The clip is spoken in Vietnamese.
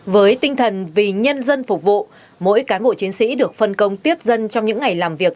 với tinh thần vì nhân dân phục vụ mỗi cán bộ chiến sĩ được phân công tiếp dân trong những ngày làm việc